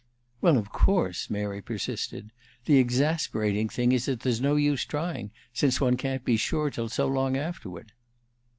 "Well, of course," Mary persisted, "the exasperating thing is that there's no use trying, since one can't be sure till so long afterward."